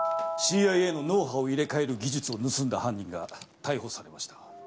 ＣＩＡの脳波を入れ替える技術を盗んだ犯人が逮捕されました。